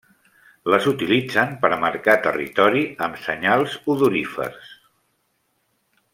Les utilitzen per marcar territori amb senyals odorífers.